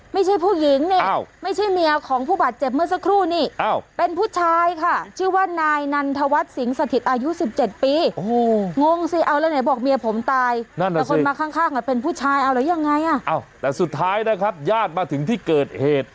แล้วคนมาข้างเป็นผู้ชายอะไรยังไงอ่ะอ้าวแต่สุดท้ายนะครับญาติมาถึงที่เกิดเหตุ